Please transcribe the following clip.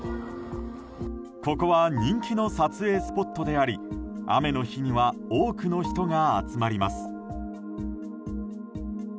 ここは人気の撮影スポットであり雨の日には多くの人が集まります。